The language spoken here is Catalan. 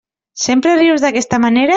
Sempre rius d'aquesta manera?